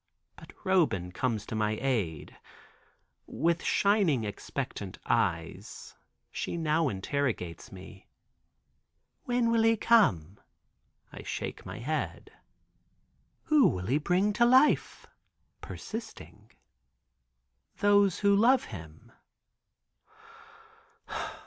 But Roban comes to my aid. With shining expectant eyes she now interrogates me. "When will He come?" I shake my head. "Who will He bring to life?" persisting. "Those who love Him.